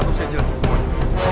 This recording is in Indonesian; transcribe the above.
aku bisa jelasin semuanya